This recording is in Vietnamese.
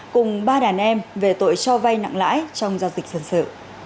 cùng ba đàn em về tội cho vay nặng lãi trong giao dịch dân sự